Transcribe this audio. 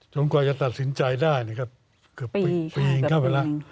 จนกว่าจะตัดสินใจได้กับปีครับวีหรือวันหนึ่ง